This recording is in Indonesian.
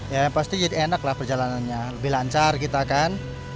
ya pasti jadi enaklah perjalanannya lebih lancar kita kan